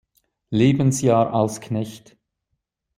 Lebensjahr als Knecht.